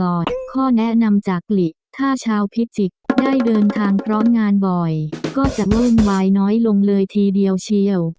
ข้อแนะนำจากหลีถ้าชาวพิจิกษ์ได้เดินทางพร้อมงานบ่อยก็จะวุ่นวายน้อยลงเลยทีเดียวเชียว